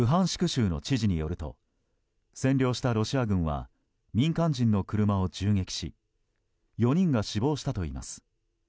州の知事によると占領したロシア軍は民間人の車を銃撃し４人が死亡したといいます。